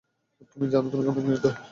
তুমি জানো তুমি অনেক নির্দয়।